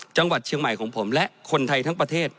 จังหวัดเชียงใหม่ของผมและคนไทยทั้งประเทศ